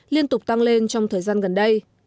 liên tục tăng lên trong thời gian gần đây